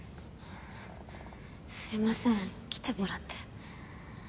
すいません来てもらって。